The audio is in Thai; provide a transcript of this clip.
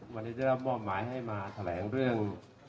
วันนี้ได้รับมอบหมายให้มาแถลงเรื่อง